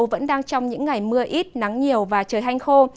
vẫn đang trong những ngày mưa ít nắng nhiều và trời hanh khô